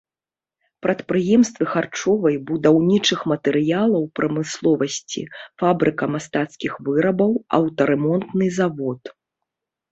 Прадпрыемствы харчовай, будаўнічых матэрыялаў прамысловасці, фабрыка мастацкіх вырабаў, аўтарамонтны завод.